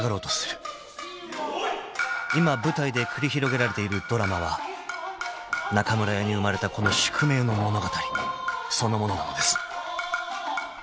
［今舞台で繰り広げられているドラマは中村屋に生まれた子の宿命の物語そのものなのです］